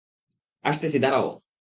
আসতেছি, দাঁড়াও।